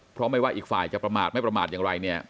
เพราะไม่ว่าอีกฝ่ายจะประมาทไม่ประมาทอย่างไรเนี่ย